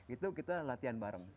itu kita latihan bareng